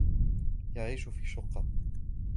يعيش في شقة.